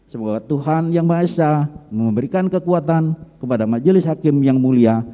semoga tuhan yang maha esa memberikan kekuatan kepada majelis hakim yang mulia